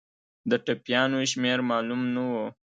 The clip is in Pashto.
د ټپیانو شمېر معلوم نه وو.